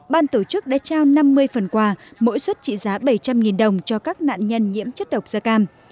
ban tổ chức đã trao năm mươi phần quà mỗi xuất trị giá bảy trăm linh đồng cho các nạn nhân nhiễm chất độc da cam